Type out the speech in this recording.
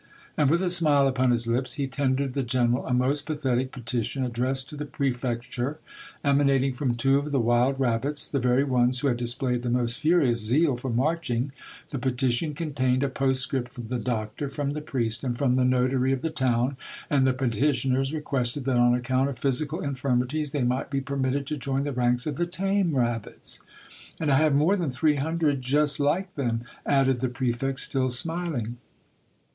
And with a smile upon his lips, he tendered the general a most pathetic petition addressed to the prefecture, emanating from two of the wild rabbits, the very ones who had displayed the most furious zeal for marching ; the petition contained a post script from the doctor, from the priest, and from the notary of the town, and the petitioners re quested that on account of physical infirmities they might be permitted to join the ranks of the tame rabbits. " And I have more than three hundred just like "jS Monday Tales. them," added the prefect, still smiling.